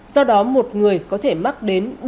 do đó một người có thể mắc đến